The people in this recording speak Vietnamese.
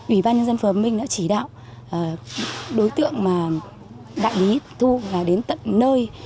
ủy ban nhân dân phương hợp minh đã chỉ đạo đối tượng mà đại lý thu là đến tận nơi